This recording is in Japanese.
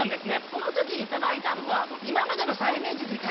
そのとき頂いたのは。